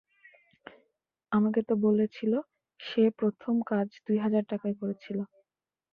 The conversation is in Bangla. আমাকে তো বলেছিল, সে প্রথম কাজ দুই হাজার টাকায় করেছিল।